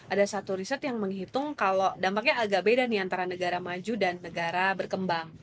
ada satu riset yang menghitung kalau dampaknya agak beda nih antara negara maju dan negara berkembang